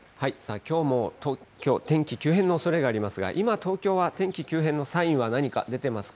きょうも東京、天気急変のおそれがありますが、今、東京は天気急変のサインは何か出てますか？